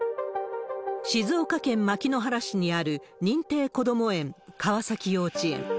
静岡県牧之原市にある認定こども園、川崎幼稚園。